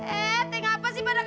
eh tengah apa sih pada kamu